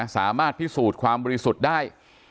สามารถพิสูจน์ความบริสุทธิ์ได้